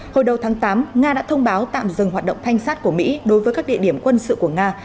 hồi đầu tháng tám nga đã thông báo tạm dừng hoạt động thanh sát của mỹ đối với các địa điểm quân sự của nga